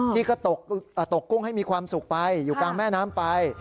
ที่ก็ตกกุ้งให้มีความสุขไปอยู่กลางแม่น้ำไป